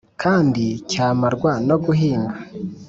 Kandi cyamarwa no guhinga!